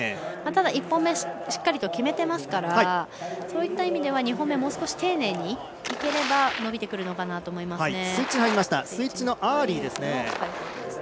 ただ、１本目しっかりと決めてますからそういった意味では２本目、もう少し丁寧にいければ伸びてくるのかなと思います。